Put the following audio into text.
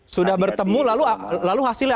sudah bertemu lalu hasilnya